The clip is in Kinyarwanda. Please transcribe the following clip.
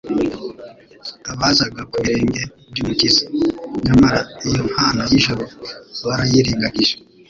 abazaga ku birenge by'Umukiza. Nyamara iyo mpano y'ijuru barayirengagije.